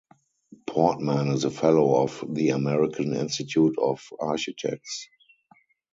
Portman is a Fellow of the American Institute of Architects.